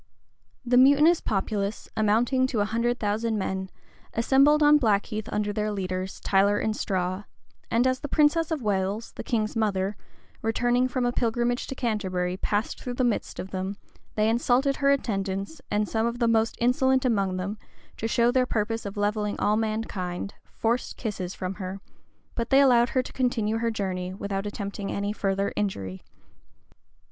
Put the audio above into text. The mutinous populace, amounting to a hundred thousand men, assembled on Blackheath under their leaders, Tyler and Straw; and as the princess of Wales, the king's mother, returning from a pilgrimage to Canterbury, passed through the midst of them, they insulted her attendants, and some of the most insolent among them, to show their purpose of levelling all mankind, forced kisses from her; but they allowed her to continue her journey, without attempting any further injury.